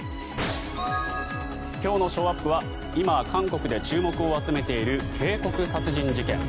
今日のショーアップは今、韓国で注目を集めている渓谷殺人事件。